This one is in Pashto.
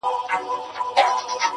زه هم ځان سره یو څه دلیل لرمه,